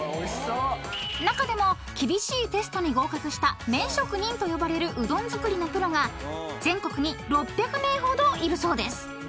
［中でも厳しいテストに合格した麺職人と呼ばれるうどん作りのプロが全国に６００名ほどいるそうです］